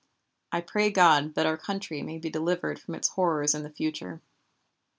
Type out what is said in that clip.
I pray God that our country may be delivered from its horrors in the future.